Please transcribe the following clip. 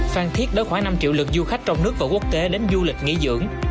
phan thiết đối khoảng năm triệu lượt du khách trong nước và quốc tế đến du lịch nghỉ dưỡng